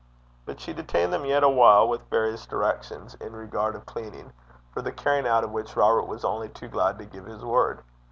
But she detained them yet awhile with various directions in regard of cleansing, for the carrying out of which Robert was only too glad to give his word.